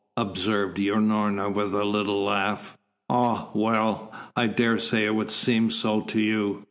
observed Unorna with a little laugh. "Ah, well! I daresay it would seem so to you.